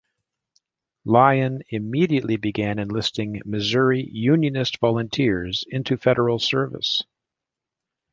Lyon immediately began enlisting Missouri Unionist Volunteers into Federal service.